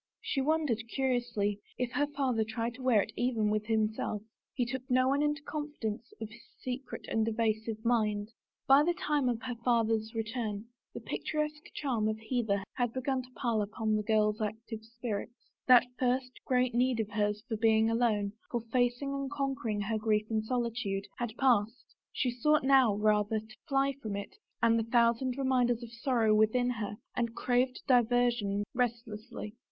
She wondered, curiously, if her father tried to wear it even with him self. He took no one into the confidence of his secret and evasive mind. By the time of her father's return the picturesque charm of Hever had begun to pall upon the girl's active spirits. That first great need of hers for being alone, for facing and conquering her grief in solitude, had passed. She sought now, rather, to fly from it and the thousand reminders of sorrow within her and craved diversion restlessly.